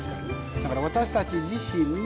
だから私たち自身も